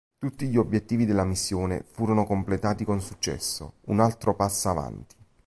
Tutti gli obiettivi della missione furono completati con successo: un altro passo avanti.